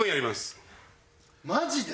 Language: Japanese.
マジで？